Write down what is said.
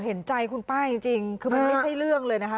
เห็นใจคุณป้าจริงคือมันไม่ใช่เรื่องเลยนะคะ